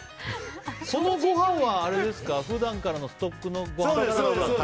そのご飯は普段からのストックのご飯ですか。